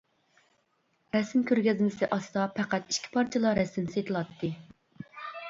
رەسىم كۆرگەزمىسى ئاچسا، پەقەت ئىككى پارچىلا رەسىمى سېتىلاتتى.